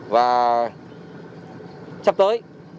và sắp tới